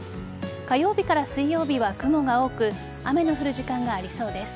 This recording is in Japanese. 火曜日から水曜日は雲が多く雨が降る時間がありそうです。